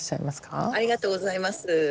ありがとうございます。